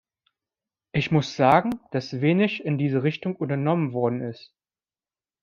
Ich muss sagen, dass wenig in diese Richtung unternommen worden ist.